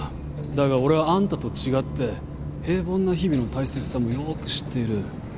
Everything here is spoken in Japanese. だが俺はあんたと違って平凡な日々の大切さもよく知っている。